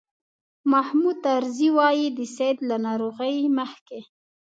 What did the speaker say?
محمود طرزي وایي د سید له ناروغۍ مخکې.